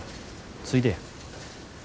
ついでや。